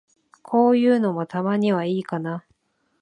こういうのも、たまにはいいかな。